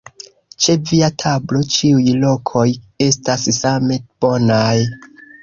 Ĉe via tablo ĉiuj lokoj estas same bonaj!